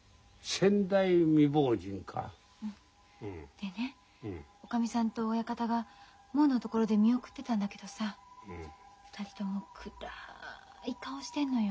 でねおかみさんと親方が門の所で見送ってたんだけどさ２人とも暗い顔してんのよ。